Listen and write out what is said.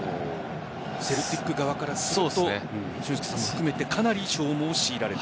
セルティック側からすると俊輔さんも含めてかなり消耗させられた。